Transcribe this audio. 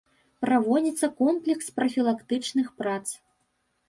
Праводзіцца комплекс прафілактычных прац.